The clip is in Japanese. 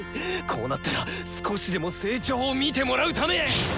こうなったら少しでも成長を見てもらうため。